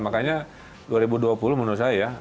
makanya dua ribu dua puluh menurut saya